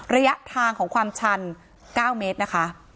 ระยะทางของความชัน๙เมตรนะคะ